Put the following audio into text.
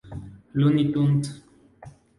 Looney Tunes.